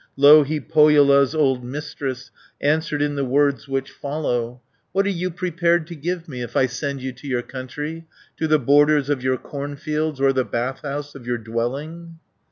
Louhi, Pohjola's old Mistress, Answered in the words which follow: 290 "What are you prepared to give me, If I send you to your country, To the borders of your cornfields, Or the bath house of your dwelling?"